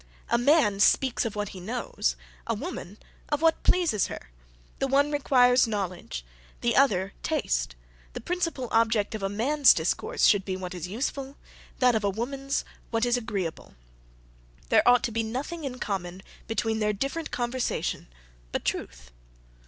A man speaks of what he knows, a woman of what pleases her; the one requires knowledge, the other taste; the principal object of a man's discourse should be what is useful, that of a woman's what is agreeable. There ought to be nothing in common between their different conversation but truth."